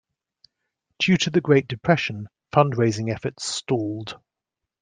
Due to the Great Depression fund-raising efforts stalled.